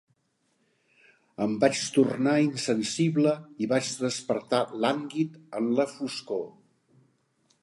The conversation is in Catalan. Em vaig tornar insensible i vaig despertar lànguid en la foscor.